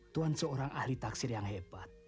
tuhan seorang ahli taksir yang hebat